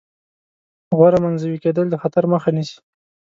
غوره منزوي کېدل د خطر مخه نیسي.